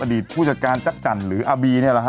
อดีตผู้จัดการจักรจันทร์หรืออบีนี่แหละครับ